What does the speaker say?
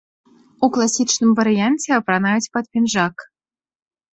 У класічным варыянце апранаюць пад пінжак.